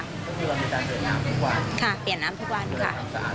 ค่ะเปลี่ยนน้ำทุกวันค่ะ